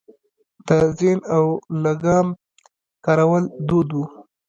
د زین او لګام کارول دود و